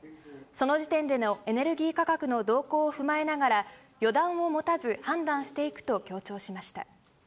その時点でのエネルギー価格の動向を踏まえながら、予断を持たず判断していくと強調しました。